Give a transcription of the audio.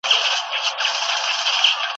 څوک چي په غم کي د نورو نه وي .